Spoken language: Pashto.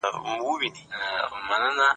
که دنده وي نو بې روزګاري نه راځي.